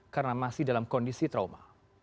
karena masih dalam kondisi trauma